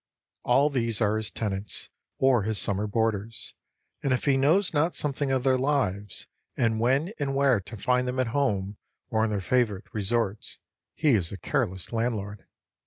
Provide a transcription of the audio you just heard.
All these are his tenants, or his summer boarders, and if he knows not something of their lives, and when and where to find them at home or in their favorite resorts, he is a careless landlord.